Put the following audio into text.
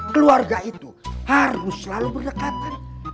keluarga itu harus selalu berdekatan